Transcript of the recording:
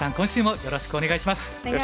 よろしくお願いします。